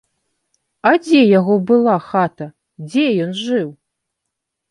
А дзе яго была хата, дзе ён жыў?